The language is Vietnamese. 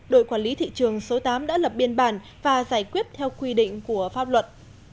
đội quản lý thị trường số tám đã lập biên bản và giải quyết theo quy định của pháp luật